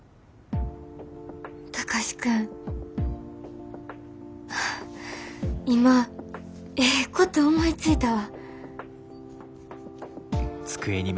貴司君今ええこと思いついたわ。